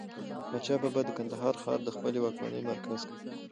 احمد شاه بابا د کندهار ښار د خپلي واکمنۍ مرکز کړ.